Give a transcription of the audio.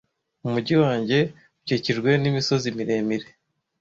Umujyi wanjye ukikijwe n'imisozi miremire.